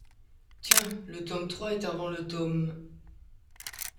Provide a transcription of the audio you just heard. Tiens ! le tome trois est avant le tome